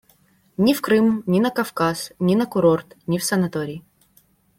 Ни в Крым, ни на Кавказ, ни на курорт, ни в санаторий.